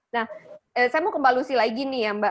nah saya mau kembalusi lagi nih ya mbak